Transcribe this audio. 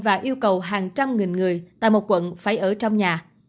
và yêu cầu hàng trăm nghìn người tại một quận phải ở trong nhà